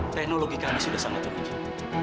teknologi kami sudah sangat teruji